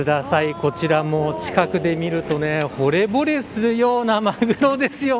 こちら近くで見るとほれぼれするようなマグロですよ。